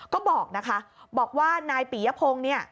ก็บอกว่านายปิยะพงค์